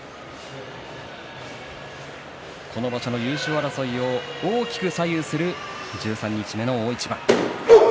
この場所の優勝争いを大きく左右する十三日目の大一番。